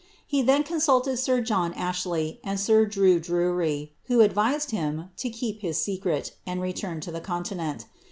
He then consulted sir John Ashley and sir Drue Drury, who advised him to keep his secret, and return to the Continent.